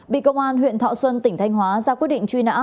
bị công an huyện thọ xuân tỉnh thanh hóa ra quyết định truy nã